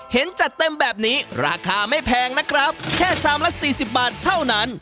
จัดเต็มแบบนี้ราคาไม่แพงนะครับแค่ชามละ๔๐บาทเท่านั้น